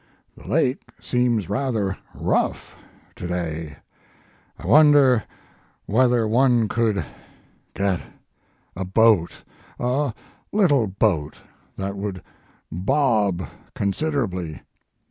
The lake seems rather rough to day I wonder whether one could get a boat, a little boat that would bob considerably.